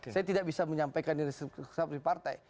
saya tidak bisa menyampaikan ini resmi resmi partai